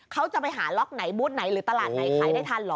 เขาจะไปหาล็อกไหนบูธไหนหรือตลาดไหนขายได้ทันเหรอ